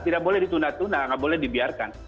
tidak boleh ditunda tuna nggak boleh dibiarkan